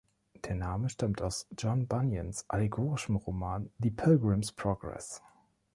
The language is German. Der Name stammt aus John Bunyans allegorischem Roman „The Pilgrim's Progress“.